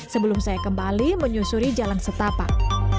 sebelum saya kembali menyusuri jalan setapak